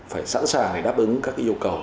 phải sẵn sàng để đáp ứng các yêu cầu